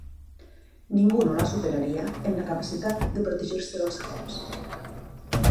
Ningú no la superaria en la capacitat de protegir-se dels cops.